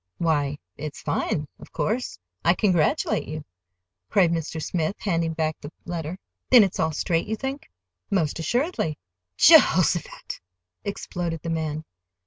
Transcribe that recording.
"Why, it's fine, of course. I congratulate you," cried Mr. Smith, handing back the letter. "Then it's all straight, you think?" "Most assuredly!" "Je hos a phat!" exploded the man.